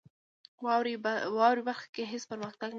واورئ برخه کې هیڅ پرمختګ نشته .